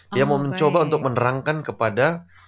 dia mau mencoba untuk menerangkan kepada